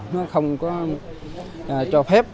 nó không có cho phép